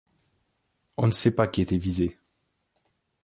On ne sait pas qui était visé.